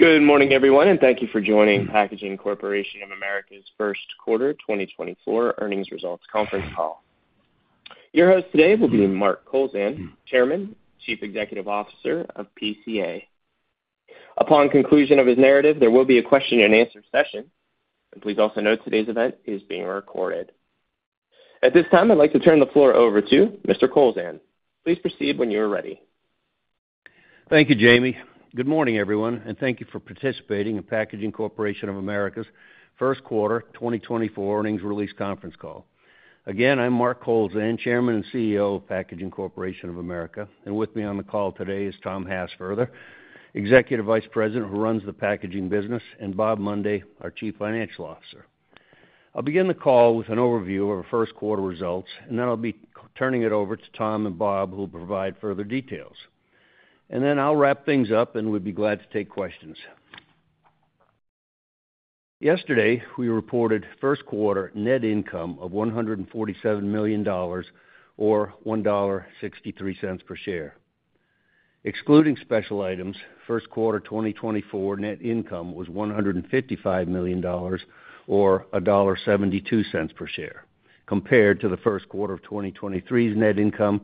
Good morning, everyone, and thank you for joining Packaging Corporation of America's first quarter 2024 earnings results conference call. Your host today will be Mark Kowlzan, Chairman and Chief Executive Officer of PCA. Upon conclusion of his narrative, there will be a question-and-answer session. Please also note today's event is being recorded. At this time, I'd like to turn the floor over to Mr. Kowlzan. Please proceed when you are ready. Thank you, Jamie. Good morning, everyone, and thank you for participating in Packaging Corporation of America's first quarter 2024 earnings release conference call. Again, I'm Mark Kowlzan, Chairman and CEO of Packaging Corporation of America. With me on the call today is Tom Hassfurther, Executive Vice President who runs the packaging business, and Bob Mundy, our Chief Financial Officer. I'll begin the call with an overview of our first quarter results, and then I'll be turning it over to Tom and Bob who will provide further details. Then I'll wrap things up, and we'd be glad to take questions. Yesterday, we reported first quarter net income of $147 million or $1.63 per share. Excluding special items, first quarter 2024 net income was $155 million or $1.72 per share, compared to the first quarter of 2023's net income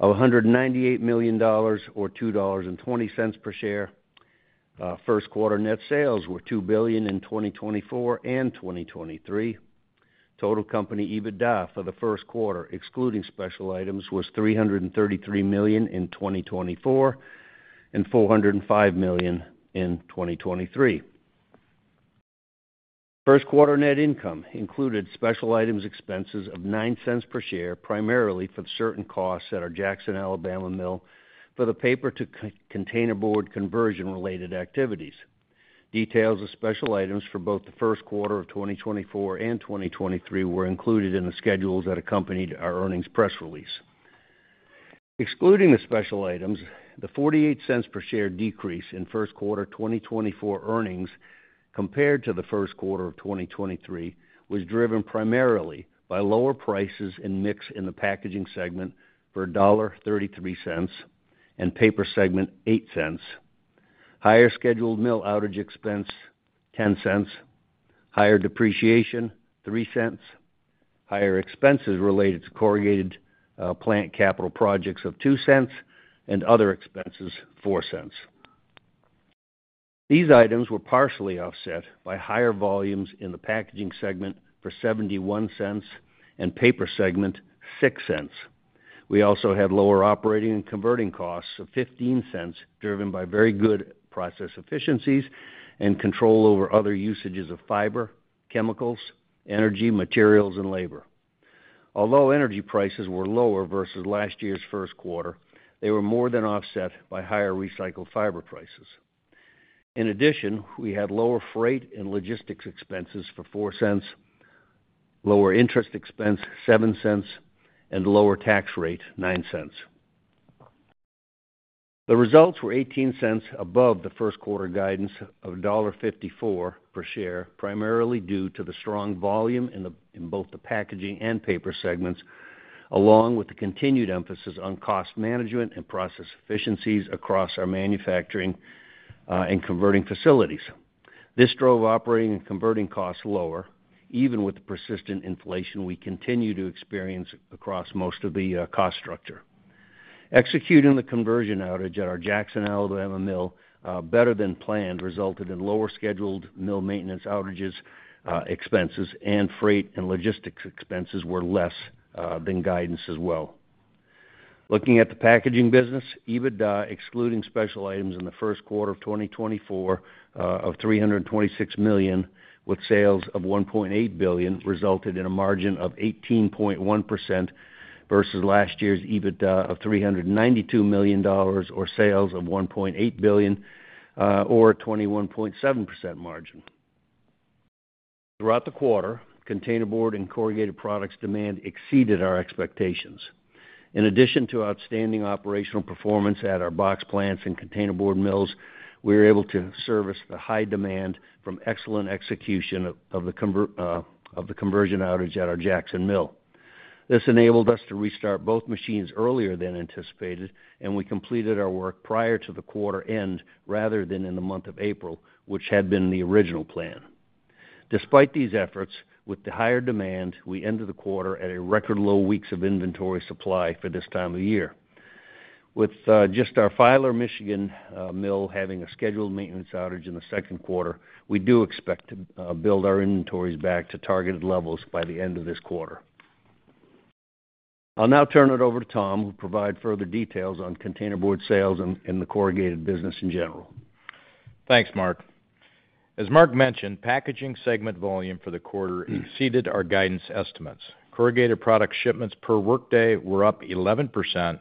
of $198 million or $2.20 per share. First quarter net sales were $2 billion in 2024 and 2023. Total company EBITDA for the first quarter, excluding special items, was $333 million in 2024 and $405 million in 2023. First quarter net income included special items expenses of $0.09 per share, primarily for certain costs at our Jackson, Alabama mill for the paper-to-containerboard conversion-related activities. Details of special items for both the first quarter of 2024 and 2023 were included in the schedules that accompanied our earnings press release. Excluding the special items, the $0.48 per share decrease in first quarter 2024 earnings compared to the first quarter of 2023 was driven primarily by lower prices and mix in the packaging segment for $1.33 and paper segment $0.08, higher scheduled mill outage expense $0.10, higher depreciation $0.03, higher expenses related to corrugated plant capital projects of $0.02, and other expenses $0.04. These items were partially offset by higher volumes in the packaging segment for $0.71 and paper segment $0.06. We also had lower operating and converting costs of $0.15 driven by very good process efficiencies and control over other usages of fiber, chemicals, energy, materials, and labor. Although energy prices were lower versus last year's first quarter, they were more than offset by higher recycled fiber prices. In addition, we had lower freight and logistics expenses for $0.04, lower interest expense $0.07, and lower tax rate $0.09. The results were $0.18 above the first quarter guidance of $1.54 per share, primarily due to the strong volume in both the packaging and paper segments, along with the continued emphasis on cost management and process efficiencies across our manufacturing and converting facilities. This drove operating and converting costs lower, even with the persistent inflation we continue to experience across most of the cost structure. Executing the conversion outage at our Jackson, Alabama mill better than planned resulted in lower scheduled mill maintenance outages expenses, and freight and logistics expenses were less than guidance as well. Looking at the packaging business, EBITDA excluding special items in the first quarter of 2024 of $326 million, with sales of $1.8 billion, resulted in a margin of 18.1% versus last year's EBITDA of $392 million or sales of $1.8 billion, or a 21.7% margin. Throughout the quarter, containerboard and corrugated products demand exceeded our expectations. In addition to outstanding operational performance at our box plants and containerboard mills, we were able to service the high demand from excellent execution of the conversion outage at our Jackson mill. This enabled us to restart both machines earlier than anticipated, and we completed our work prior to the quarter end rather than in the month of April, which had been the original plan. Despite these efforts, with the higher demand, we ended the quarter at a record low weeks of inventory supply for this time of year. With just our Filer City, Michigan mill having a scheduled maintenance outage in the second quarter, we do expect to build our inventories back to targeted levels by the end of this quarter. I'll now turn it over to Tom, who will provide further details on containerboard sales and the corrugated business in general. Thanks, Mark. As Mark mentioned, packaging segment volume for the quarter exceeded our guidance estimates. Corrugated product shipments per workday were up 11%,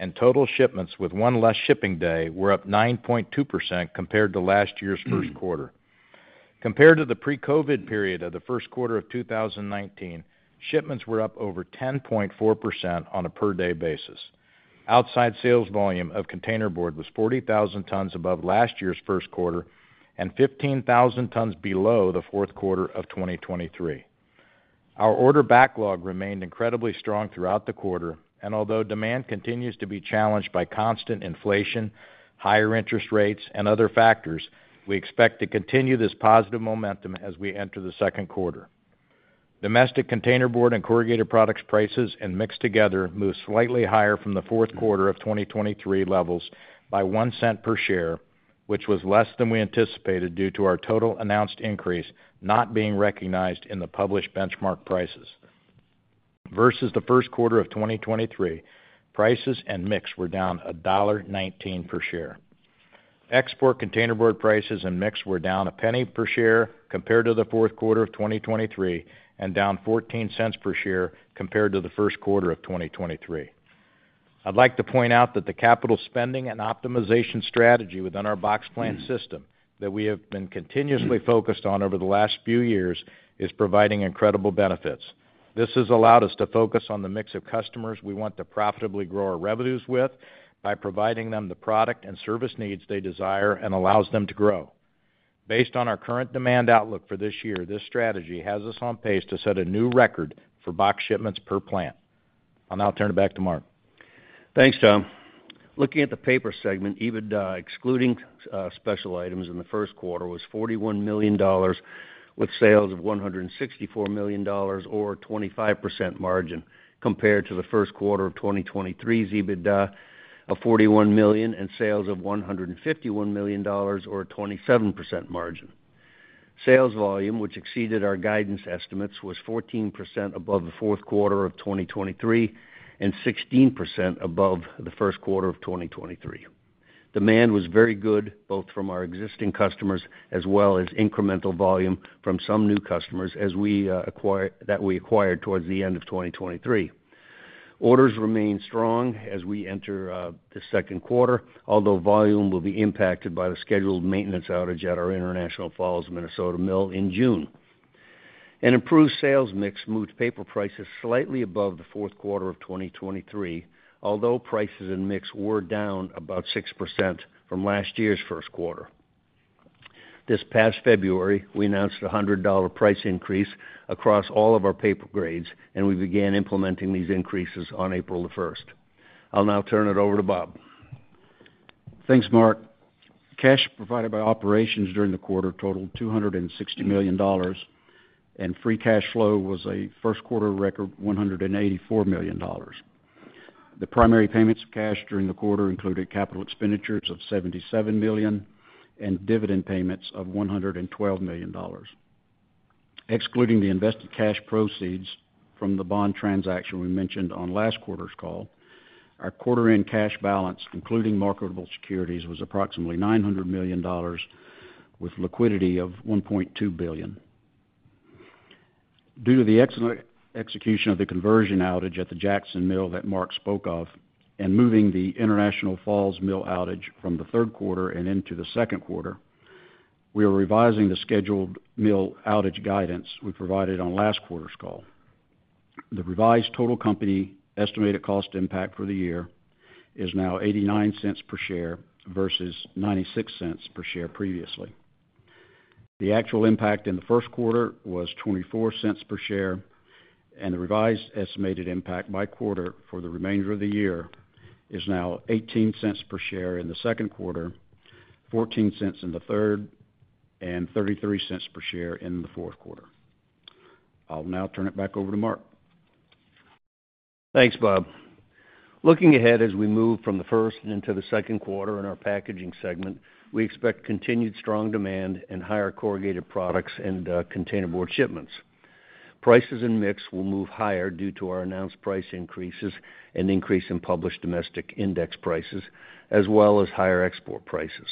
and total shipments with one less shipping day were up 9.2% compared to last year's first quarter. Compared to the pre-COVID period of the first quarter of 2019, shipments were up over 10.4% on a per-day basis. Outside sales volume of containerboard was 40,000 tons above last year's first quarter and 15,000 tons below the fourth quarter of 2023. Our order backlog remained incredibly strong throughout the quarter, and although demand continues to be challenged by constant inflation, higher interest rates, and other factors, we expect to continue this positive momentum as we enter the second quarter. Domestic containerboard and corrugated products prices, and mixed together, moved slightly higher from the fourth quarter of 2023 levels by $0.01 per share, which was less than we anticipated due to our total announced increase not being recognized in the published benchmark prices. Versus the first quarter of 2023, prices and mix were down $1.19 per share. Export containerboard prices and mix were down $0.01 per share compared to the fourth quarter of 2023 and down $0.14 per share compared to the first quarter of 2023. I'd like to point out that the capital spending and optimization strategy within our box plant system that we have been continuously focused on over the last few years is providing incredible benefits. This has allowed us to focus on the mix of customers we want to profitably grow our revenues with by providing them the product and service needs they desire and allows them to grow. Based on our current demand outlook for this year, this strategy has us on pace to set a new record for box shipments per plant. I'll now turn it back to Mark. Thanks, Tom. Looking at the paper segment, EBITDA excluding special items in the first quarter was $41 million, with sales of $164 million or a 25% margin compared to the first quarter of 2023's EBITDA of $41 million and sales of $151 million or a 27% margin. Sales volume, which exceeded our guidance estimates, was 14% above the fourth quarter of 2023 and 16% above the first quarter of 2023. Demand was very good both from our existing customers as well as incremental volume from some new customers that we acquired towards the end of 2023. Orders remain strong as we enter the second quarter, although volume will be impacted by the scheduled maintenance outage at our International Falls, Minnesota mill in June. An improved sales mix moved paper prices slightly above the fourth quarter of 2023, although prices and mix were down about 6% from last year's first quarter. This past February, we announced a $100 price increase across all of our paper grades, and we began implementing these increases on April 1st. I'll now turn it over to Bob. Thanks, Mark. Cash provided by operations during the quarter totaled $260 million, and free cash flow was a first quarter record of $184 million. The primary payments of cash during the quarter included capital expenditures of $77 million and dividend payments of $112 million. Excluding the invested cash proceeds from the bond transaction we mentioned on last quarter's call, our quarter-end cash balance, including marketable securities, was approximately $900 million, with liquidity of $1.2 billion. Due to the excellent execution of the conversion outage at the Jackson mill that Mark spoke of and moving the International Falls mill outage from the third quarter and into the second quarter, we are revising the scheduled mill outage guidance we provided on last quarter's call. The revised total company estimated cost impact for the year is now $0.89 per share versus $0.96 per share previously. The actual impact in the first quarter was $0.24 per share, and the revised estimated impact by quarter for the remainder of the year is now $0.18 per share in the second quarter, $0.14 in the third, and $0.33 per share in the fourth quarter. I'll now turn it back over to Mark. Thanks, Bob. Looking ahead as we move from the first and into the second quarter in our packaging segment, we expect continued strong demand and higher corrugated products and containerboard shipments. Prices and mix will move higher due to our announced price increases and increase in published domestic index prices, as well as higher export prices.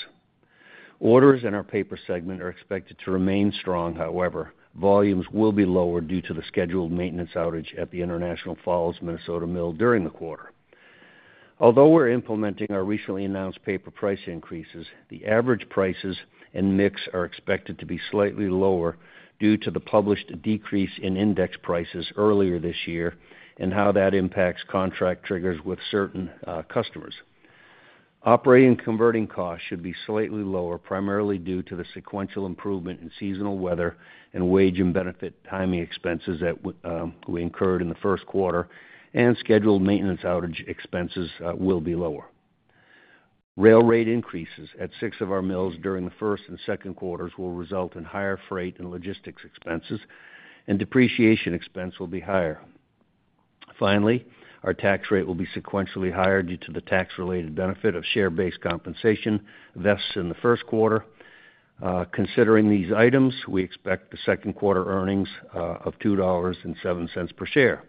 Orders in our paper segment are expected to remain strong. However, volumes will be lower due to the scheduled maintenance outage at the International Falls, Minnesota mill during the quarter. Although we're implementing our recently announced paper price increases, the average prices and mix are expected to be slightly lower due to the published decrease in index prices earlier this year and how that impacts contract triggers with certain customers. Operating and converting costs should be slightly lower, primarily due to the sequential improvement in seasonal weather and wage and benefit timing expenses that we incurred in the first quarter, and scheduled maintenance outage expenses will be lower. Rail rate increases at six of our mills during the first and second quarters will result in higher freight and logistics expenses, and depreciation expense will be higher. Finally, our tax rate will be sequentially higher due to the tax-related benefit of share-based compensation vested in the first quarter. Considering these items, we expect the second quarter earnings of $2.07 per share.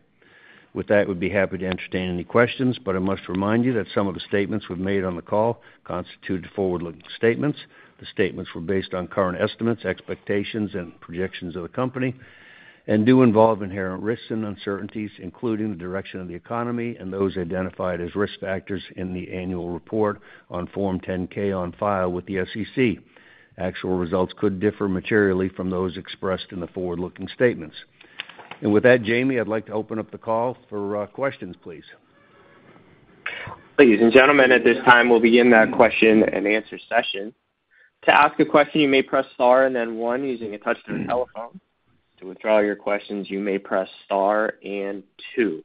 With that, we'd be happy to entertain any questions, but I must remind you that some of the statements we've made on the call constituted forward-looking statements. The statements were based on current estimates, expectations, and projections of the company and do involve inherent risks and uncertainties, including the direction of the economy and those identified as risk factors in the annual report on Form 10-K on file with the SEC. Actual results could differ materially from those expressed in the forward-looking statements. With that, Jamie, I'd like to open up the call for questions, please. Ladies and gentlemen, at this time, we'll begin that question and answer session. To ask a question, you may press star and then one using a touchscreen telephone. To withdraw your questions, you may press star and two.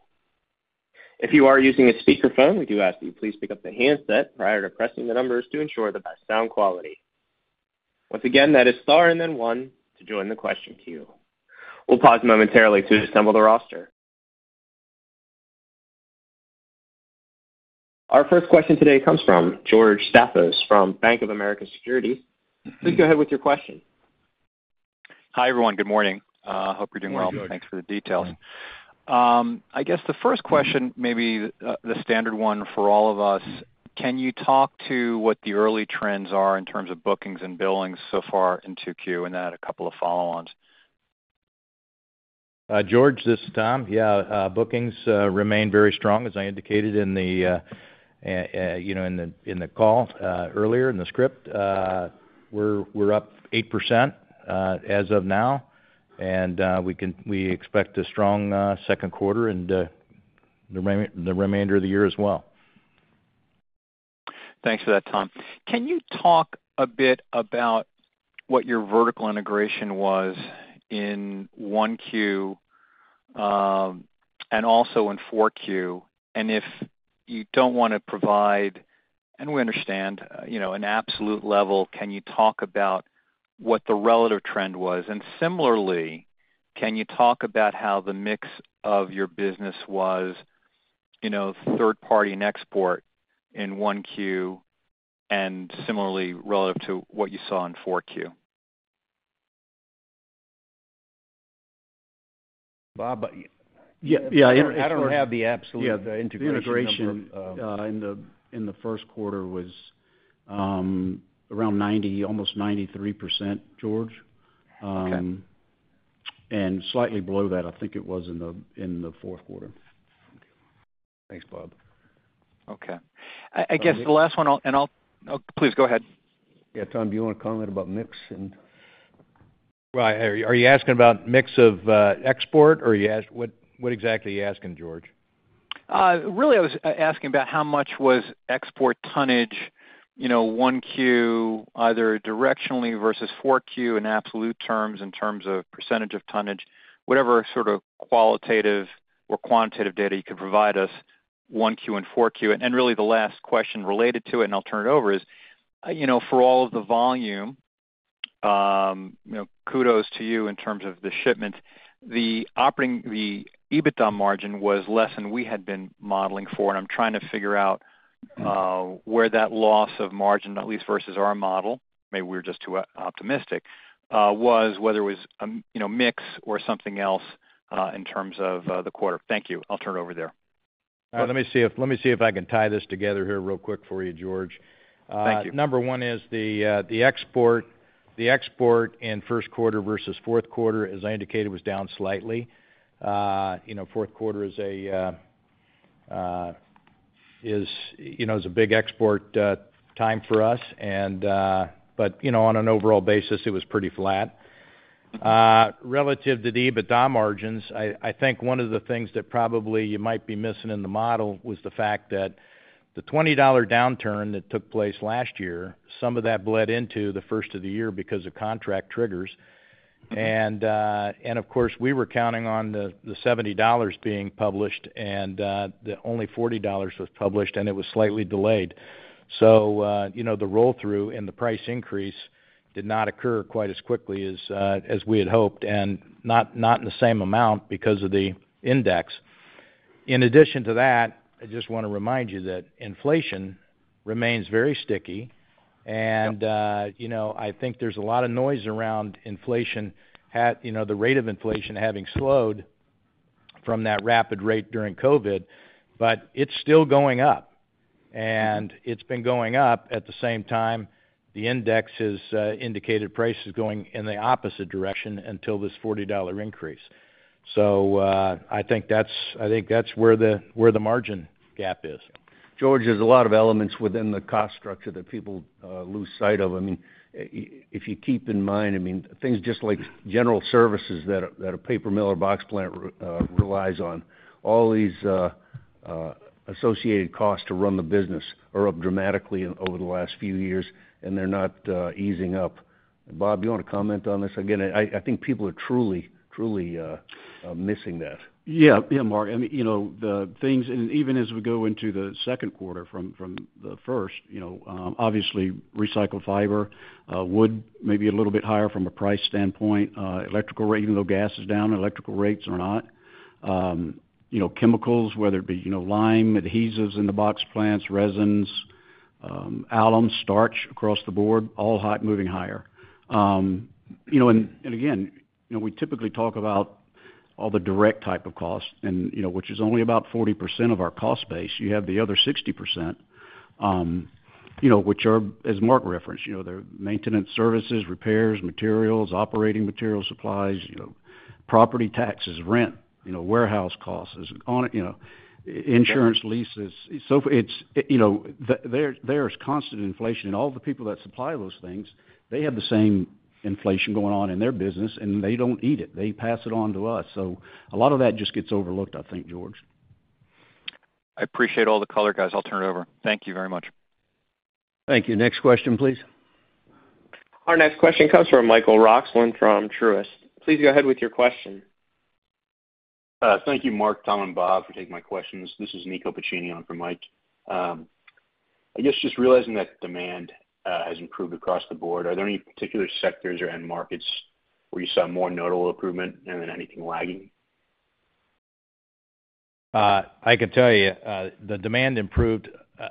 If you are using a speakerphone, we do ask that you please pick up the handset prior to pressing the numbers to ensure the best sound quality. Once again, that is star and then one to join the question queue. We'll pause momentarily to assemble the roster. Our first question today comes from George Staphos from Bank of America Securities. Please go ahead with your question. Hi, everyone. Good morning. Hope you're doing well. Thanks for the details. I guess the first question, maybe the standard one for all of us, can you talk to what the early trends are in terms of bookings and billings so far in Q2, and then add a couple of follow-ons? George, this is Tom. Yeah, bookings remain very strong, as I indicated in the call earlier in the script. We're up 8% as of now, and we expect a strong second quarter and the remainder of the year as well. Thanks for that, Tom. Can you talk a bit about what your vertical integration was in 1Q and also in 4Q, and if you don't want to provide and we understand, an absolute level, can you talk about what the relative trend was? And similarly, can you talk about how the mix of your business was third-party and export in 1Q and similarly relative to what you saw in 4Q? Bob, I don't have the absolute integration number. Yeah, the integration in the first quarter was around 90%, almost 93%, George, and slightly below that, I think it was, in the fourth quarter. Thanks, Bob. Okay. I guess the last one and please go ahead. Yeah, Tom, do you want to comment about mix and? Well, are you asking about mix of export, or what exactly are you asking, George? Really, I was asking about how much was export tonnage Q1, either directionally versus Q4 in absolute terms, in terms of percentage of tonnage, whatever sort of qualitative or quantitative data you could provide us Q1 and Q4. And really, the last question related to it, and I'll turn it over, is for all of the volume, kudos to you in terms of the shipments. The EBITDA margin was less than we had been modeling for, and I'm trying to figure out where that loss of margin, at least versus our model - maybe we were just too optimistic - was, whether it was mix or something else in terms of the quarter. Thank you. I'll turn it over there. Let me see if I can tie this together here real quick for you, George. Thank you. Number one is the export in first quarter versus fourth quarter, as I indicated, was down slightly. Fourth quarter is a big export time for us, but on an overall basis, it was pretty flat. Relative to the EBITDA margins, I think one of the things that probably you might be missing in the model was the fact that the $20 downturn that took place last year, some of that bled into the first of the year because of contract triggers. And of course, we were counting on the $70 being published, and only $40 was published, and it was slightly delayed. So the roll-through and the price increase did not occur quite as quickly as we had hoped, and not in the same amount because of the index. In addition to that, I just want to remind you that inflation remains very sticky, and I think there's a lot of noise around the rate of inflation having slowed from that rapid rate during COVID, but it's still going up. And it's been going up. At the same time, the index has indicated prices going in the opposite direction until this $40 increase. So I think that's where the margin gap is. George, there's a lot of elements within the cost structure that people lose sight of. I mean, if you keep in mind, I mean, things just like general services that a paper mill or box plant relies on, all these associated costs to run the business are up dramatically over the last few years, and they're not easing up. Bob, do you want to comment on this? Again, I think people are truly missing that. Yeah, yeah, Mark. I mean, the things and even as we go into the second quarter from the first, obviously, recycled fiber, wood, maybe a little bit higher from a price standpoint, even though gas is down, electrical rates are not. Chemicals, whether it be lime, adhesives in the box plants, resins, alum starch across the board, all hot moving higher. And again, we typically talk about all the direct type of cost, which is only about 40% of our cost base. You have the other 60%, which are, as Mark referenced, they're maintenance services, repairs, materials, operating materials, supplies, property taxes, rent, warehouse costs, insurance, leases. So there's constant inflation, and all the people that supply those things, they have the same inflation going on in their business, and they don't eat it. They pass it on to us. A lot of that just gets overlooked, I think, George. I appreciate all the color, guys. I'll turn it over. Thank you very much. Thank you. Next question, please. Our next question comes from Michael Roxland from Truist. Please go ahead with your question. Thank you, Mark, Tom, and Bob for taking my questions. This is Nico Piccini on for Mike. I guess just realizing that demand has improved across the board, are there any particular sectors or end markets where you saw more notable improvement and then anything lagging? I can tell you, the demand improved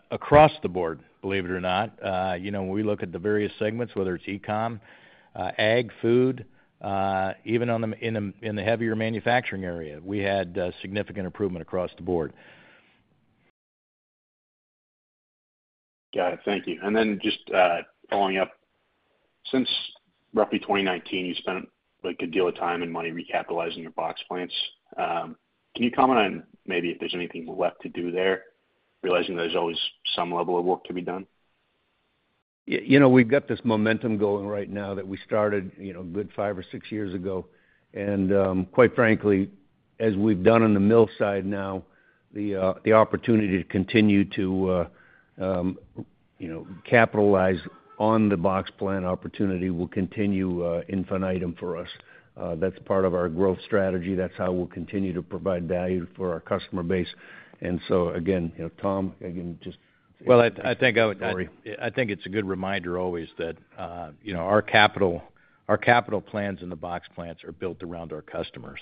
across the board, believe it or not. When we look at the various segments, whether it's e-com, ag, food, even in the heavier manufacturing area, we had significant improvement across the board. Got it. Thank you. And then just following up, since roughly 2019, you spent a good deal of time and money recapitalizing your box plants. Can you comment on maybe if there's anything left to do there, realizing there's always some level of work to be done? We've got this momentum going right now that we started good five or six years ago. And quite frankly, as we've done on the mill side now, the opportunity to continue to capitalize on the box plant opportunity will continue infinitum for us. That's part of our growth strategy. That's how we'll continue to provide value for our customer base. And so again, Tom, again, just. Well, I think it's a good reminder always that our capital plans in the box plants are built around our customers.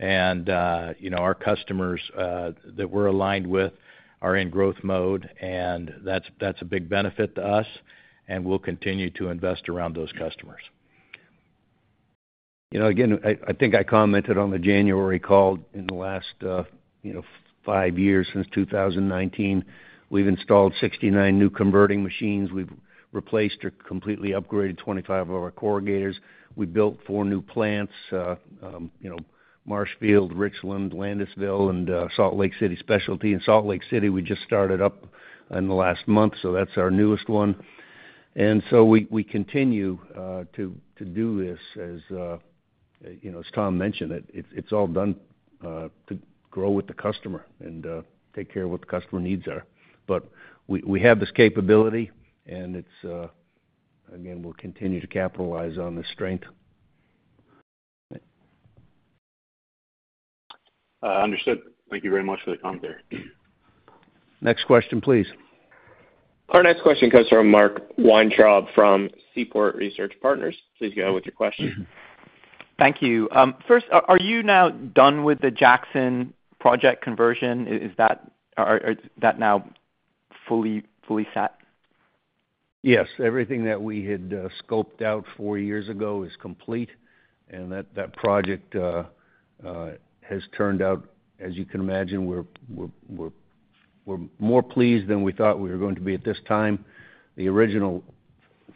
Our customers that we're aligned with are in growth mode, and that's a big benefit to us, and we'll continue to invest around those customers. Again, I think I commented on the January call. In the last five years, since 2019, we've installed 69 new converting machines. We've replaced or completely upgraded 25 of our corrugators. We built four new plants: Marshfield, Richland, Landisville, and Salt Lake City Specialty. In Salt Lake City, we just started up in the last month, so that's our newest one. And so we continue to do this. As Tom mentioned, it's all done to grow with the customer and take care of what the customer needs are. But we have this capability, and again, we'll continue to capitalize on this strength. Understood. Thank you very much for the comment there. Next question, please. Our next question comes from Mark Weintraub from Seaport Research Partners. Please go ahead with your question. Thank you. First, are you now done with the Jackson project conversion? Is that now fully set? Yes. Everything that we had scoped out four years ago is complete, and that project has turned out, as you can imagine, we're more pleased than we thought we were going to be at this time. The original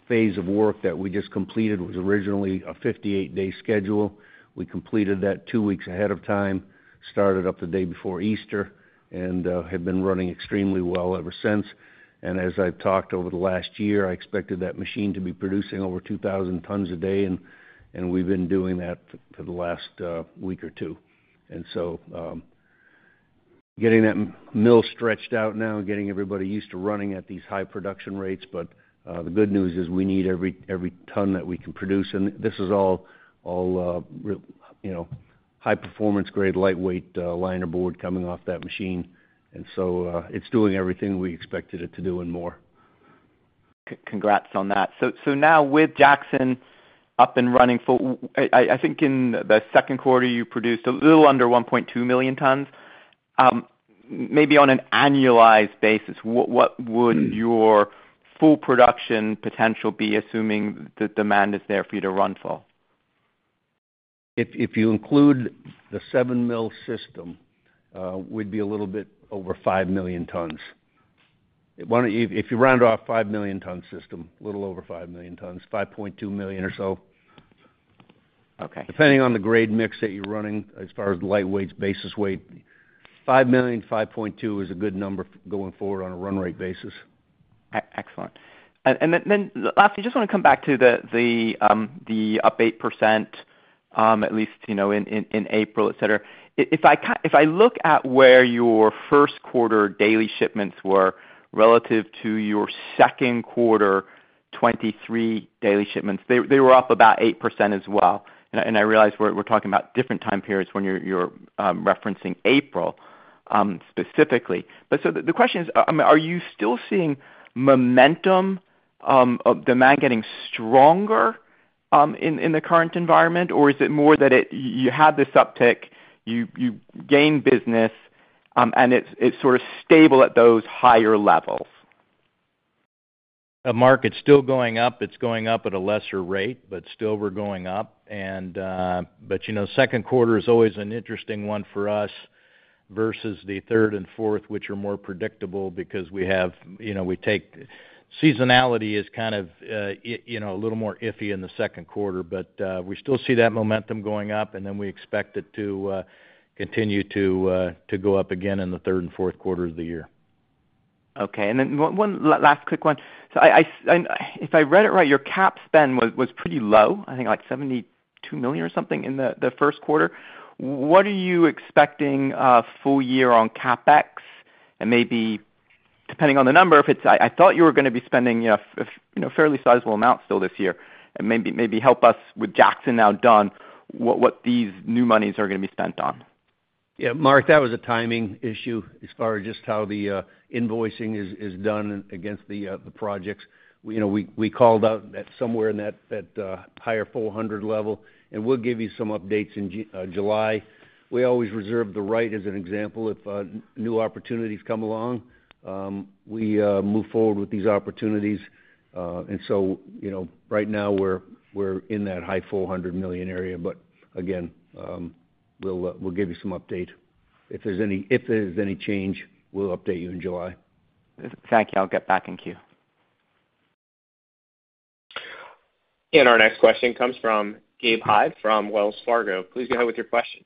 phase of work that we just completed was originally a 58-day schedule. We completed that two weeks ahead of time, started up the day before Easter, and have been running extremely well ever since. And as I've talked over the last year, I expected that machine to be producing over 2,000 tons a day, and we've been doing that for the last week or two. And so getting that mill stretched out now, getting everybody used to running at these high production rates. But the good news is we need every ton that we can produce, and this is all high-performance grade, lightweight linerboard coming off that machine And so it's doing everything we expected it to do and more. Congrats on that. So now with Jackson up and running full, I think in the second quarter, you produced a little under 1.2 million tons. Maybe on an annualized basis, what would your full production potential be, assuming the demand is there for you to run full? If you include the seven-mill system, it would be a little bit over five million tons. If you round off five million ton system, a little over five million tons, 5.2 million or so. Depending on the grade mix that you're running, as far as lightweight basis weight, five million, 5.2 is a good number going forward on a run rate basis. Excellent. And then lastly, just want to come back to the up 8%, at least in April, etc. If I look at where your first quarter daily shipments were relative to your second quarter 2023 daily shipments, they were up about 8% as well. And I realize we're talking about different time periods when you're referencing April specifically. But so the question is, I mean, are you still seeing momentum, demand getting stronger in the current environment, or is it more that you had this uptick, you gained business, and it's sort of stable at those higher levels? Mark, it's still going up. It's going up at a lesser rate, but still we're going up. But second quarter is always an interesting one for us versus the third and fourth, which are more predictable because we take seasonality as kind of a little more iffy in the second quarter. But we still see that momentum going up, and then we expect it to continue to go up again in the third and fourth quarters of the year. Okay. And then one last quick one. So if I read it right, your CapEx spend was pretty low, I think like $72 million or something in the first quarter. What are you expecting full year on CapEx and maybe, depending on the number, if it's I thought you were going to be spending a fairly sizable amount still this year, and maybe help us with Jackson now done, what these new monies are going to be spent on? Yeah, Mark, that was a timing issue as far as just how the invoicing is done against the projects. We called out somewhere in that higher 400 level, and we'll give you some updates in July. We always reserve the right, as an example, if new opportunities come along. We move forward with these opportunities. And so right now, we're in that high $400 million area. But again, we'll give you some update. If there's any change, we'll update you in July. Thank you. I'll get back in queue. Our next question comes from Gabe Hajde from Wells Fargo. Please go ahead with your question.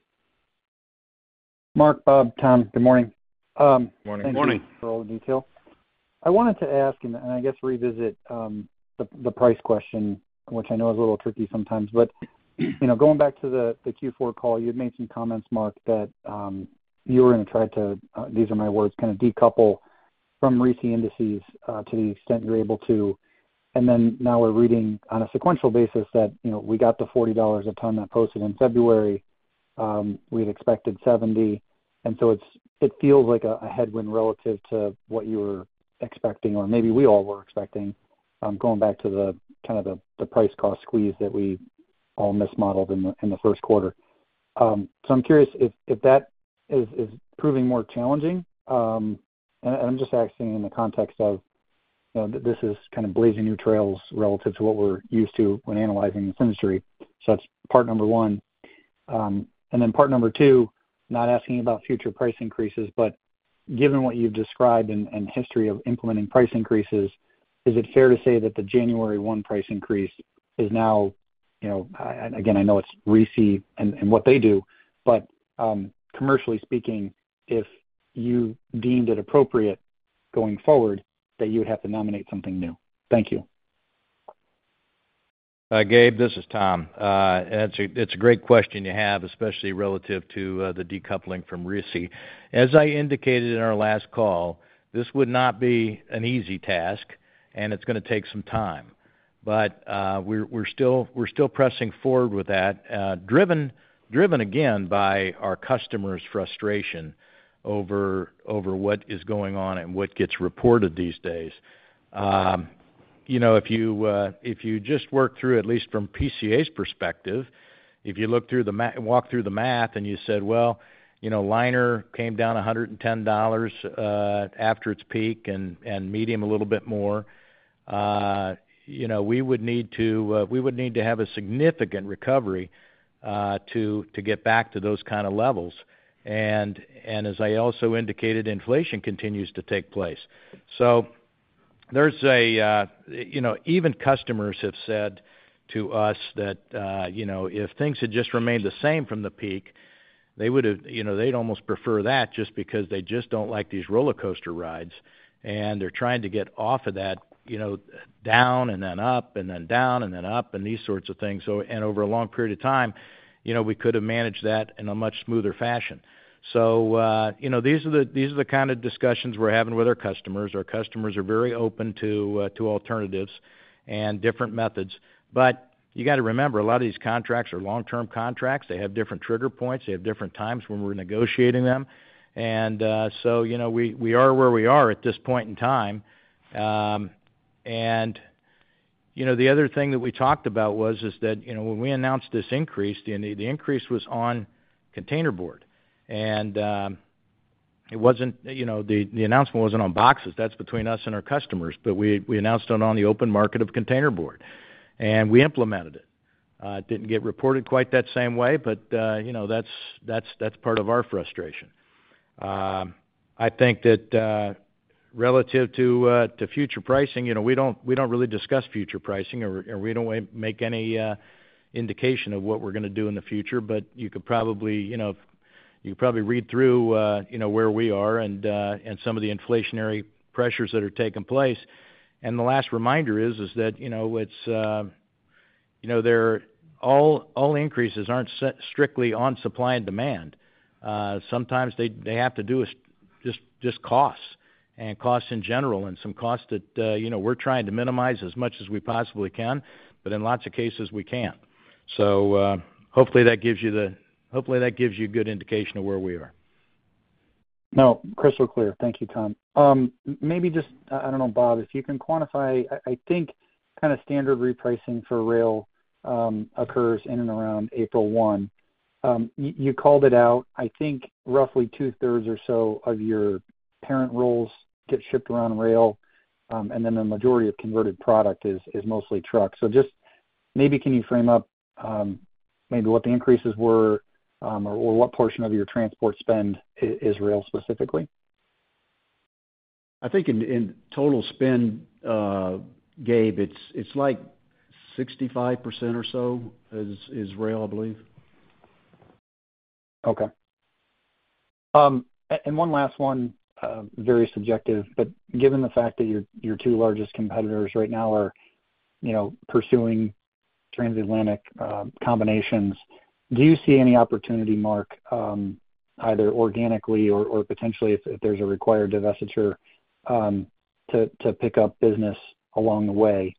Mark, Bob, Tom, good morning. Good morning. Good morning. For all the detail. I wanted to ask and I guess revisit the price question, which I know is a little tricky sometimes. But going back to the Q4 call, you had made some comments, Mark, that you were going to try to, these are my words, kind of decouple from RISI and indices to the extent you're able to. And then now we're reading on a sequential basis that we got the $40 a ton that posted in February. We had expected $70. And so it feels like a headwind relative to what you were expecting, or maybe we all were expecting, going back to kind of the price cost squeeze that we all mismodeled in the first quarter. So I'm curious if that is proving more challenging. I'm just asking in the context of this is kind of blazing new trails relative to what we're used to when analyzing this industry. So that's part number one. And then part number two, not asking about future price increases, but given what you've described and history of implementing price increases, is it fair to say that the January 1st price increase is now again, I know it's RISI and what they do. But commercially speaking, if you deemed it appropriate going forward, that you would have to nominate something new. Thank you. Gabe, this is Tom. It's a great question you have, especially relative to the decoupling from RISI. As I indicated in our last call, this would not be an easy task, and it's going to take some time. But we're still pressing forward with that, driven again by our customers' frustration over what is going on and what gets reported these days. If you just work through, at least from PCA's perspective, if you walk through the math and you said, "Well, liner came down $110 after its peak and medium a little bit more," we would need to have a significant recovery to get back to those kind of levels. And as I also indicated, inflation continues to take place. So there's even customers have said to us that if things had just remained the same from the peak, they'd almost prefer that just because they just don't like these roller coaster rides, and they're trying to get off of that down and then up and then down and then up and these sorts of things. And over a long period of time, we could have managed that in a much smoother fashion. So these are the kind of discussions we're having with our customers. Our customers are very open to alternatives and different methods. But you got to remember, a lot of these contracts are long-term contracts. They have different trigger points. They have different times when we're negotiating them. And so we are where we are at this point in time. The other thing that we talked about was that when we announced this increase, the increase was on containerboard. The announcement wasn't on boxes. That's between us and our customers. We announced it on the open market of containerboard, and we implemented it. It didn't get reported quite that same way, but that's part of our frustration. I think that relative to future pricing, we don't really discuss future pricing, or we don't make any indication of what we're going to do in the future. You could probably you could probably read through where we are and some of the inflationary pressures that are taking place. The last reminder is that it's all increases aren't strictly on supply and demand. Sometimes they have to do just costs and costs in general and some costs that we're trying to minimize as much as we possibly can, but in lots of cases, we can't. So hopefully, that gives you a good indication of where we are. No, crystal clear. Thank you, Tom. Maybe just I don't know, Bob, if you can quantify. I think kind of standard repricing for rail occurs in and around April 1. You called it out. I think roughly two-thirds or so of your parent rolls get shipped around rail, and then the majority of converted product is mostly trucks. So just maybe can you frame up maybe what the increases were or what portion of your transport spend is rail specifically? I think in total spend, Gabe, it's like 65% or so is rail, I believe. Okay. One last one, very subjective. Given the fact that your two largest competitors right now are pursuing transatlantic combinations, do you see any opportunity, Mark, either organically or potentially if there's a required divestiture to pick up business along the way?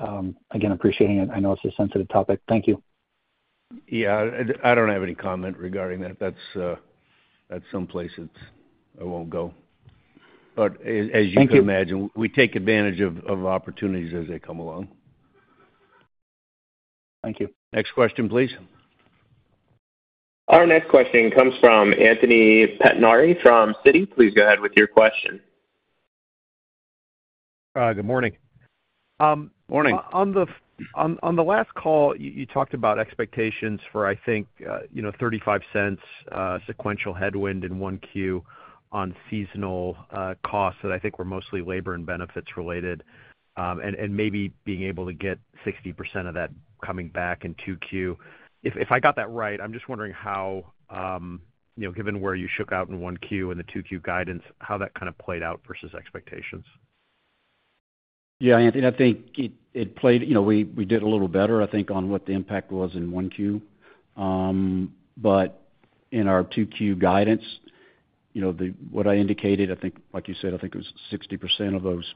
Again, appreciating it. I know it's a sensitive topic. Thank you. Yeah. I don't have any comment regarding that. That's someplace I won't go. But as you can imagine, we take advantage of opportunities as they come along. Thank you. Next question, please. Our next question comes from Anthony Pettinari from Citi. Please go ahead with your question. Good morning. Morning. On the last call, you talked about expectations for, I think, $0.35 sequential headwind in 1Q on seasonal costs that I think were mostly labor and benefits related and maybe being able to get 60% of that coming back in 2Q. If I got that right, I'm just wondering how, given where you shook out in one Q and the two Q guidance, how that kind of played out versus expectations? Yeah, Anthony, I think it played we did a little better, I think, on what the impact was in 1Q. But in our 2Q guidance, what I indicated, I think like you said, I think it was 60% of those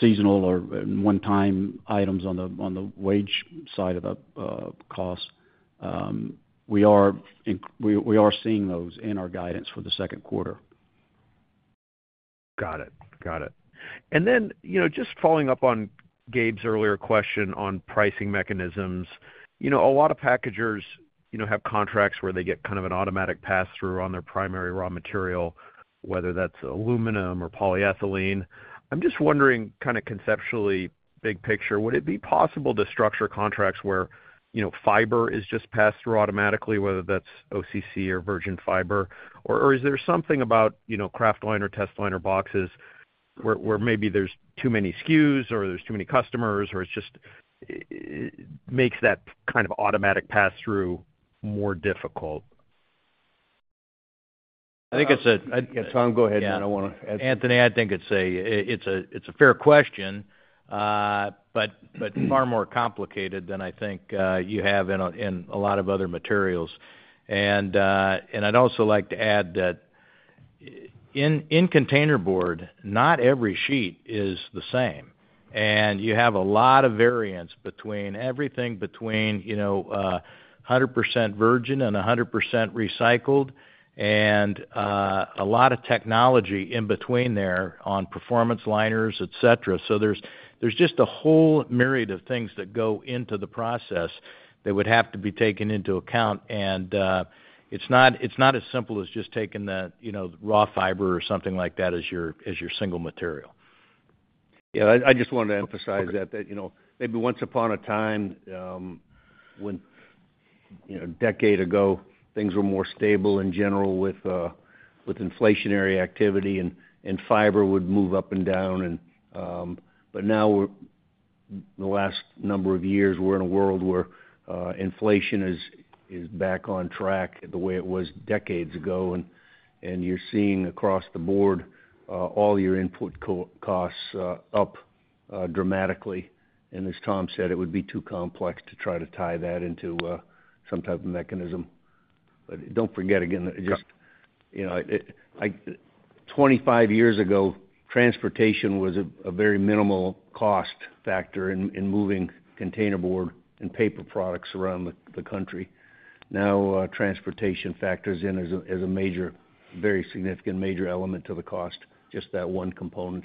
seasonal or one-time items on the wage side of the costs. We are seeing those in our guidance for the second quarter. Got it. Got it. And then just following up on Gabe's earlier question on pricing mechanisms, a lot of packagers have contracts where they get kind of an automatic pass-through on their primary raw material, whether that's aluminum or polyethylene. I'm just wondering, kind of conceptually, big picture, would it be possible to structure contracts where fiber is just passed through automatically, whether that's OCC or virgin fiber? Or is there something about Kraft liner, test liner boxes where maybe there's too many SKUs or there's too many customers, or it just makes that kind of automatic pass-through more difficult? I think it's a yeah, Tom, go ahead. I don't want to. Anthony, I think it's a fair question, but far more complicated than I think you have in a lot of other materials. I'd also like to add that in containerboard, not every sheet is the same. You have a lot of variants between everything between 100% virgin and 100% recycled and a lot of technology in between there on performance liners, etc. So there's just a whole myriad of things that go into the process that would have to be taken into account. It's not as simple as just taking the raw fiber or something like that as your single material. Yeah. I just wanted to emphasize that maybe once upon a time, when a decade ago, things were more stable in general with inflationary activity, and fiber would move up and down. But now, the last number of years, we're in a world where inflation is back on track the way it was decades ago. And you're seeing across the board all your input costs up dramatically. And as Tom said, it would be too complex to try to tie that into some type of mechanism. But don't forget, again, just 25 years ago, transportation was a very minimal cost factor in moving containerboard and paper products around the country. Now, transportation factors in as a very significant major element to the cost, just that one component.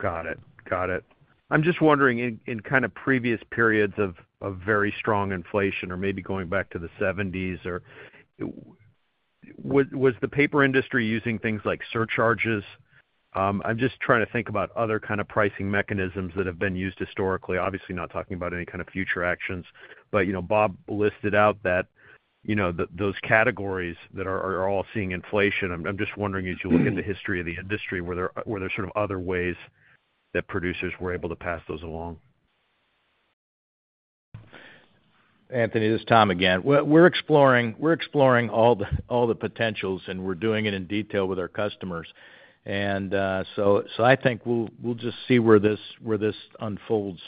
Got it. Got it. I'm just wondering, in kind of previous periods of very strong inflation or maybe going back to the 1970s, was the paper industry using things like surcharges? I'm just trying to think about other kind of pricing mechanisms that have been used historically. Obviously, not talking about any kind of future actions. But Bob listed out that those categories that are all seeing inflation. I'm just wondering, as you look at the history of the industry, were there sort of other ways that producers were able to pass those along? Anthony, this is Tom again. We're exploring all the potentials, and we're doing it in detail with our customers. So I think we'll just see where this unfolds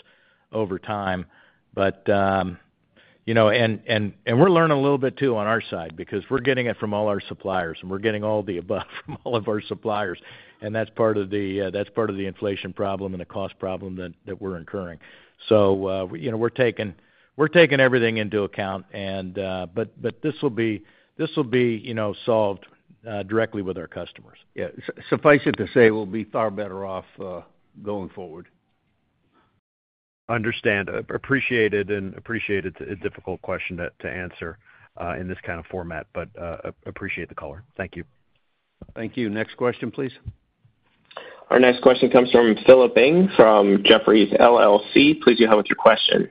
over time. And we're learning a little bit too on our side because we're getting it from all our suppliers, and we're getting all the above from all of our suppliers. And that's part of the inflation problem and the cost problem that we're incurring. So we're taking everything into account. But this will be solved directly with our customers. Yeah. Suffice it to say, we'll be far better off going forward. Understand. Appreciated. And appreciated it's a difficult question to answer in this kind of format, but appreciate the caller. Thank you. Thank you. Next question, please. Our next question comes from Philip Ng from Jefferies LLC. Please go ahead with your question.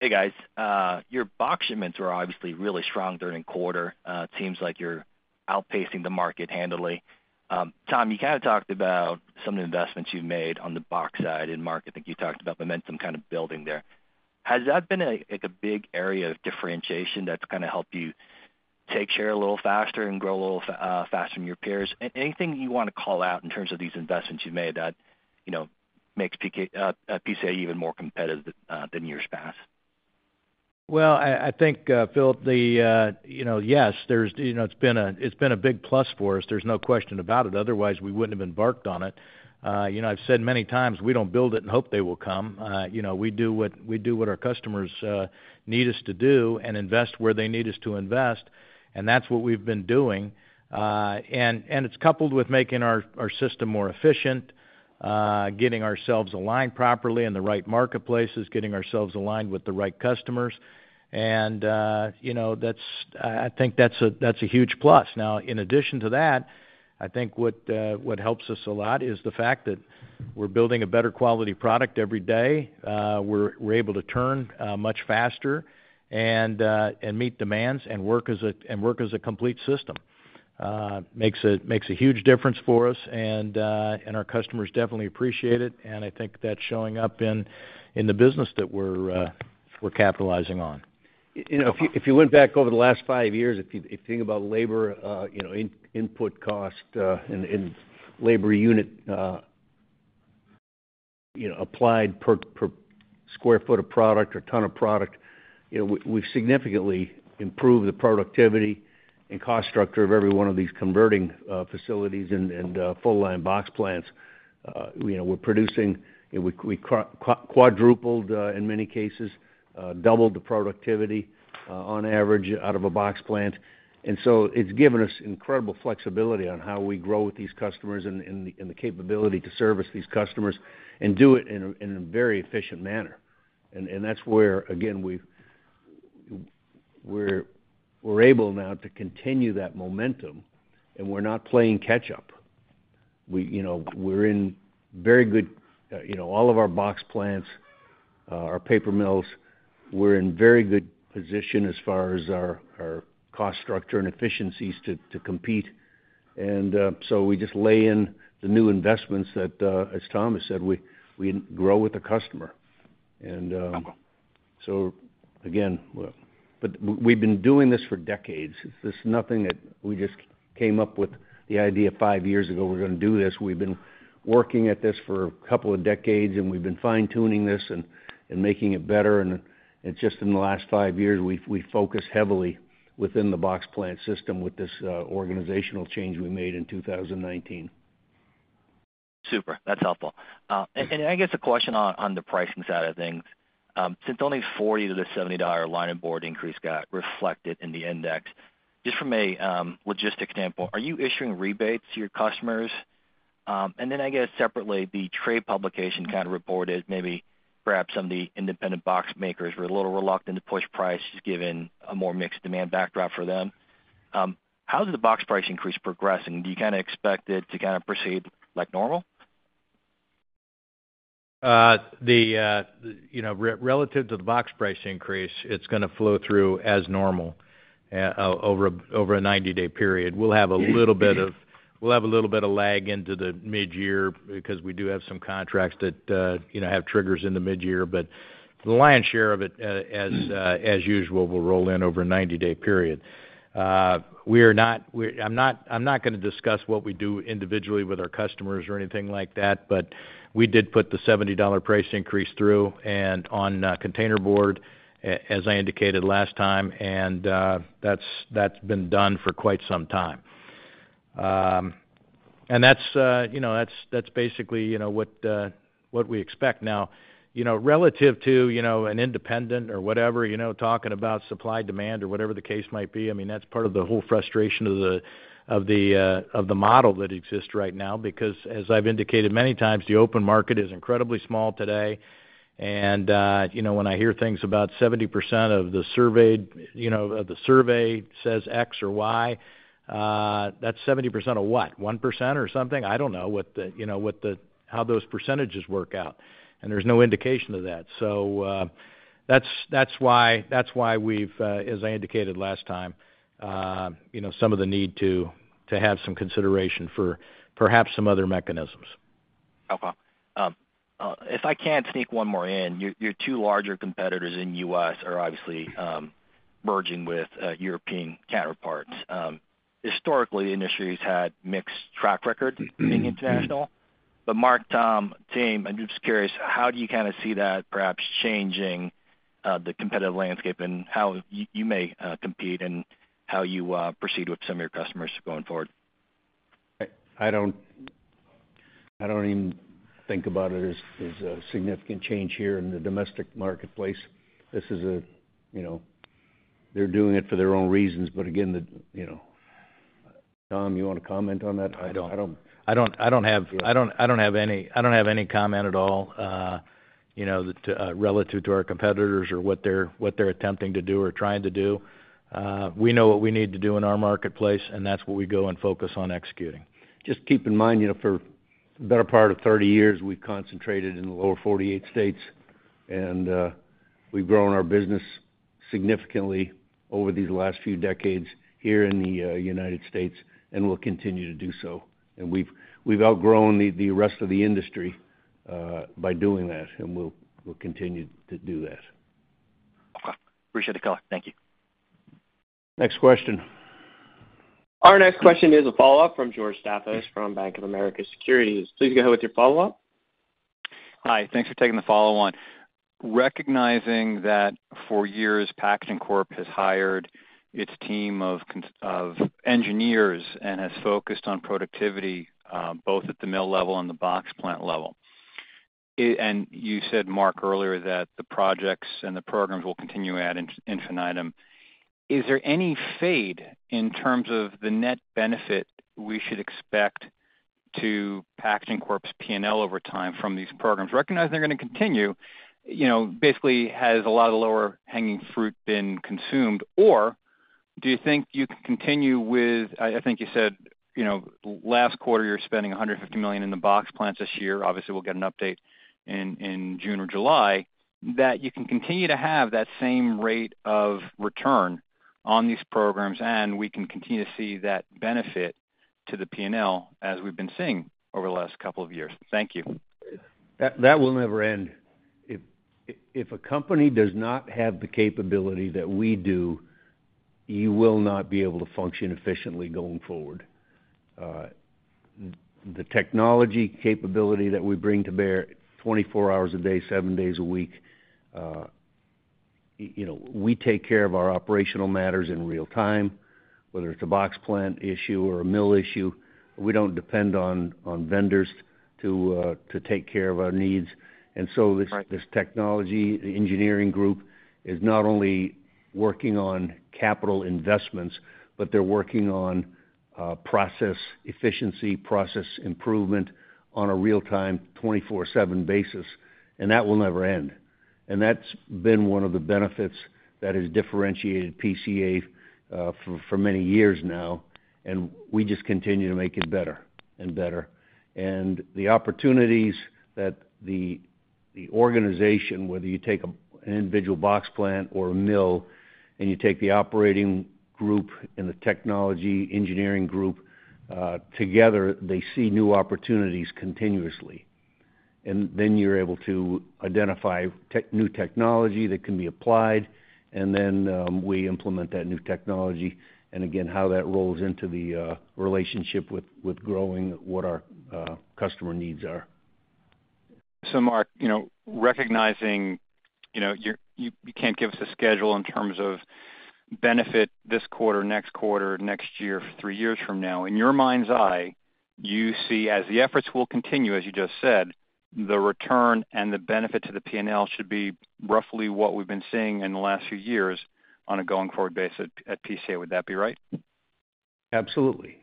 Hey, guys. Your box shipments were obviously really strong during the quarter. It seems like you're outpacing the market handily. Tom, you kind of talked about some of the investments you've made on the box side in market. I think you talked about momentum kind of building there. Has that been a big area of differentiation that's kind of helped you take share a little faster and grow a little faster than your peers? Anything you want to call out in terms of these investments you've made that makes PCA even more competitive than years past? Well, I think, Philip, yes, it's been a big plus for us. There's no question about it. Otherwise, we wouldn't have embarked on it. I've said many times, we don't build it and hope they will come. We do what our customers need us to do and invest where they need us to invest. And that's what we've been doing. And it's coupled with making our system more efficient, getting ourselves aligned properly in the right marketplaces, getting ourselves aligned with the right customers. And I think that's a huge plus. Now, in addition to that, I think what helps us a lot is the fact that we're building a better quality product every day. We're able to turn much faster and meet demands and work as a complete system. Makes a huge difference for us, and our customers definitely appreciate it. I think that's showing up in the business that we're capitalizing on. If you went back over the last five years, if you think about labor input cost and labor unit applied per sq ft of product or ton of product, we've significantly improved the productivity and cost structure of every one of these converting facilities and full-line box plants. We're producing we quadrupled, in many cases, doubled the productivity on average out of a box plant. And so it's given us incredible flexibility on how we grow with these customers and the capability to service these customers and do it in a very efficient manner. And that's where, again, we're able now to continue that momentum, and we're not playing catch-up. We're in very good all of our box plants, our paper mills, we're in very good position as far as our cost structure and efficiencies to compete. And so we just lay in the new investments that, as Thomas said, we grow with the customer. And so again, but we've been doing this for decades. It's nothing that we just came up with the idea five years ago, "We're going to do this." We've been working at this for a couple of decades, and we've been fine-tuning this and making it better. And it's just in the last five years we focus heavily within the box plant system with this organizational change we made in 2019. Super. That's helpful. I guess a question on the pricing side of things. Since only $40-$70 linerboard increase got reflected in the index, just from a logistics standpoint, are you issuing rebates to your customers? I guess separately, the trade publication kind of reported maybe perhaps some of the independent box makers were a little reluctant to push prices given a more mixed demand backdrop for them. How's the box price increase progressing? Do you kind of expect it to kind of proceed like normal? Relative to the box price increase, it's going to flow through as normal over a 90-day period. We'll have a little bit of lag into the midyear because we do have some contracts that have triggers in the midyear. But the lion's share of it, as usual, will roll in over a 90-day period. I'm not going to discuss what we do individually with our customers or anything like that. But we did put the $70 price increase through on container board, as I indicated last time. And that's been done for quite some time. And that's basically what we expect. Now, relative to an independent or whatever, talking about supply-demand or whatever the case might be, I mean, that's part of the whole frustration of the model that exists right now because, as I've indicated many times, the open market is incredibly small today. And when I hear things about 70% of the survey says X or Y, that's 70% of what? 1% or something? I don't know how those percentages work out. And there's no indication of that. So that's why we've, as I indicated last time, some of the need to have some consideration for perhaps some other mechanisms. Okay. If I can sneak one more in, your two larger competitors in the US are obviously merging with European counterparts. Historically, the industry has had mixed track records being international. But Mark, Tom, team, I'm just curious, how do you kind of see that perhaps changing the competitive landscape and how you may compete and how you proceed with some of your customers going forward? I don't even think about it as a significant change here in the domestic marketplace. This is, they're doing it for their own reasons. But again, Tom, you want to comment on that? I don't have any comment at all relative to our competitors or what they're attempting to do or trying to do. We know what we need to do in our marketplace, and that's what we go and focus on executing. Just keep in mind, for the better part of 30 years, we've concentrated in the Lower 48 states. We've grown our business significantly over these last few decades here in the United States, and we'll continue to do so. We've outgrown the rest of the industry by doing that, and we'll continue to do that. Okay. Appreciate the call. Thank you. Next question. Our next question is a follow-up from George Staphos from Bank of America Securities. Please go ahead with your follow-up. Hi. Thanks for taking the follow-on. Recognizing that for years, Packaging Corp has hired its team of engineers and has focused on productivity both at the mill level and the box plant level. You said, Mark, earlier that the projects and the programs will continue ad infinitum. Is there any fade in terms of the net benefit we should expect to Packaging Corp's P&L over time from these programs? Recognizing they're going to continue, basically, has a lot of the low-hanging fruit been consumed? Or do you think you can continue with I think you said last quarter, you're spending $150 million in the box plants this year. Obviously, we'll get an update in June or July, that you can continue to have that same rate of return on these programs, and we can continue to see that benefit to the P&L as we've been seeing over the last couple of years? Thank you. That will never end. If a company does not have the capability that we do, you will not be able to function efficiently going forward. The technology capability that we bring to bear 24 hours a day, seven days a week. We take care of our operational matters in real time, whether it's a box plant issue or a mill issue. We don't depend on vendors to take care of our needs. And so this technology, the engineering group, is not only working on capital investments, but they're working on process efficiency, process improvement on a real-time, 24/7 basis. And that will never end. And that's been one of the benefits that has differentiated PCA for many years now. And we just continue to make it better and better. And the opportunities that the organization, whether you take an individual box plant or a mill, and you take the operating group and the technology engineering group together, they see new opportunities continuously. And then you're able to identify new technology that can be applied, and then we implement that new technology. And again, how that rolls into the relationship with growing what our customer needs are. So, Mark, recognizing you can't give us a schedule in terms of benefit this quarter, next quarter, next year, three years from now, in your mind's eye, you see as the efforts will continue, as you just said, the return and the benefit to the P&L should be roughly what we've been seeing in the last few years on a going forward base at PCA. Would that be right? Absolutely.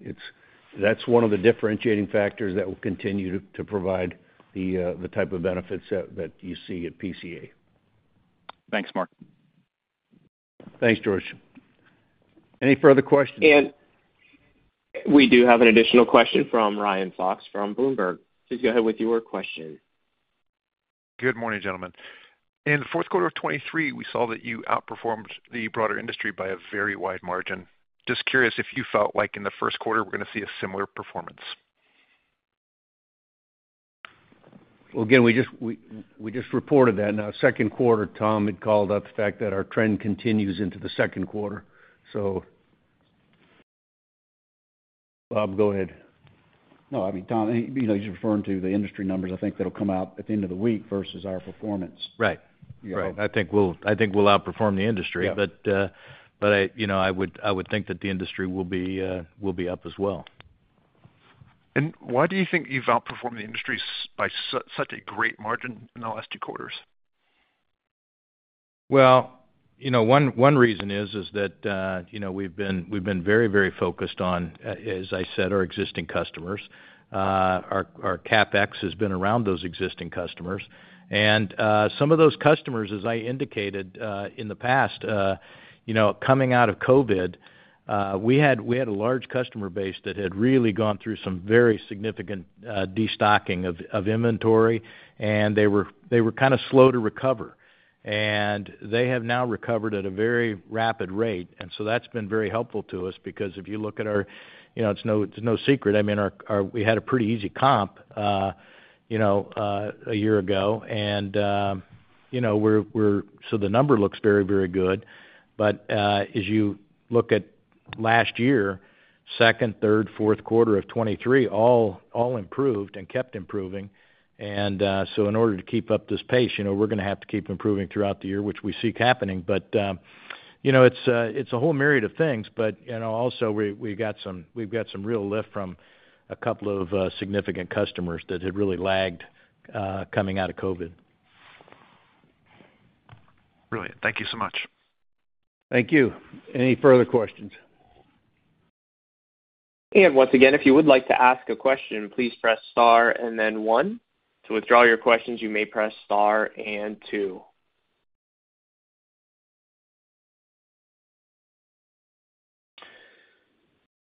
That's one of the differentiating factors that will continue to provide the type of benefits that you see at PCA. Thanks, Mark. Thanks, George. Any further questions? We do have an additional question from Ryan Fox from Bloomberg. Please go ahead with your question. Good morning, gentlemen. In the fourth quarter of 2023, we saw that you outperformed the broader industry by a very wide margin. Just curious if you felt like in the first quarter, we're going to see a similar performance? Well, again, we just reported that. Now, second quarter, Tom, had called out the fact that our trend continues into the second quarter, so. Bob, go ahead. No, I mean, Tom, you're just referring to the industry numbers. I think they'll come out at the end of the week versus our performance. Right. Right. I think we'll outperform the industry. But I would think that the industry will be up as well. Why do you think you've outperformed the industry by such a great margin in the last two quarters? Well, one reason is that we've been very, very focused on, as I said, our existing customers. Our CapEx has been around those existing customers. And some of those customers, as I indicated in the past, coming out of COVID, we had a large customer base that had really gone through some very significant destocking of inventory, and they were kind of slow to recover. And they have now recovered at a very rapid rate. And so that's been very helpful to us because if you look at our it's no secret. I mean, we had a pretty easy comp a year ago. And so the number looks very, very good. But as you look at last year, second, third, fourth quarter of 2023, all improved and kept improving. So in order to keep up this pace, we're going to have to keep improving throughout the year, which we see happening. It's a whole myriad of things. But also, we've got some real lift from a couple of significant customers that had really lagged coming out of COVID. Brilliant. Thank you so much. Thank you. Any further questions? Once again, if you would like to ask a question, please press star and then one. To withdraw your questions, you may press star and two.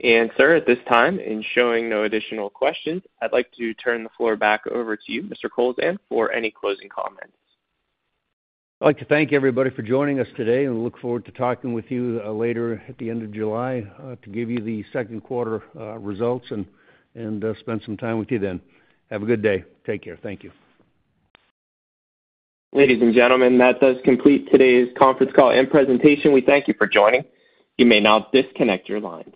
Sir, at this time, in showing no additional questions, I'd like to turn the floor back over to you, Mr. Kowlzan, for any closing comments. I'd like to thank everybody for joining us today, and we look forward to talking with you later at the end of July to give you the second quarter results and spend some time with you then. Have a good day. Take care. Thank you. Ladies and gentlemen, that does complete today's conference call and presentation. We thank you for joining. You may now disconnect your lines.